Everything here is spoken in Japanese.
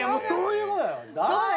そういうものよ。